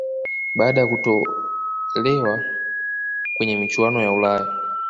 Baada ya kutolewa kwenye michuano ya ulaya